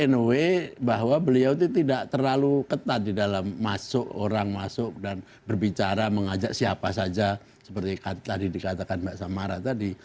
mas jokowi juga mirip gus dur anyway bahwa beliau itu tidak terlalu ketat di dalam masuk orang masuk dan berbicara mengajak siapa saja seperti tadi dikatakan mbak samara tadi